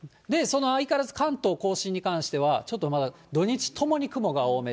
相変わらず関東甲信については、ちょっとまだ土日ともに雲が多め